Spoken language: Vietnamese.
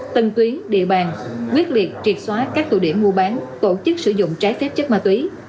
tân tuyến địa bàn quyết liệt triệt xóa các tụ điểm mua bán tổ chức sử dụng trái phép chất ma túy